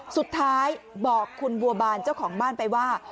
สุดท้ายบอกคุณบัวบานเจ้าของบ้านไปว่า